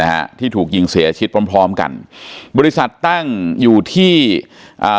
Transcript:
ฮะที่ถูกยิงเสียชีวิตพร้อมพร้อมกันบริษัทตั้งอยู่ที่อ่า